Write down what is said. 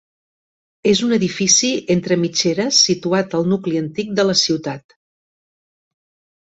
És un edifici entre mitgeres situat al nucli antic de la ciutat.